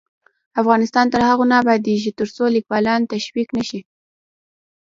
افغانستان تر هغو نه ابادیږي، ترڅو لیکوالان تشویق نشي.